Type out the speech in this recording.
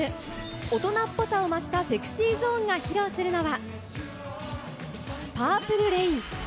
大人っぽさを増したＳｅｘｙＺｏｎｅが披露するのは。